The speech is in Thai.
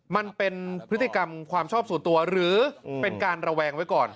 มันเป็นพฤติกรรมความชอบส่วนตัวหรือเป็นการระแวงไว้ก่อน